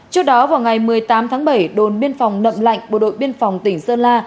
trước đó vào ngày một mươi tám tháng bảy đồn biên phòng nậm lạnh bộ đội biên phòng tỉnh sơn la